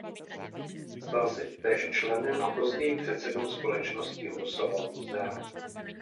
Stal se též členem a později předsedou Společnosti Husova muzea.